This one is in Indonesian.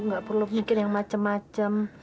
gak perlu mikir yang macem macem